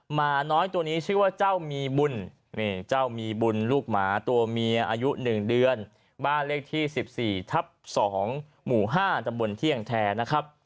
หมาน้อยตัวนี้ชื่อว่าเจ้ามีบุญเจ้ามีบุญลูกหมาตัวเมียอายุ๑เดือนบ้านเลขที่๑๔ทับ๒หมู่๕ตำบลเที่ยงแท้นะครับ